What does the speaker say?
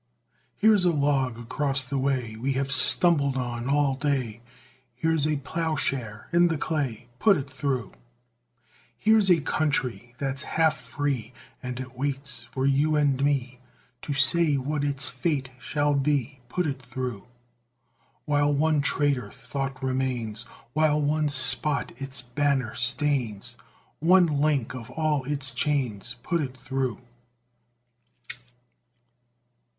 Here's a log across the way, We have stumbled on all day; Here's a ploughshare in the clay, Put it through! Here's a country that's half free, And it waits for you and me To say what its fate shall be; Put it through! While one traitor thought remains, While one spot its banner stains, One link of all its chains, Put it through!